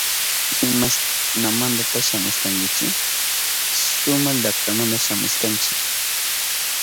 ¿Imashnamantata shamushkankichi? Suma llaktamanta shamushkanchi.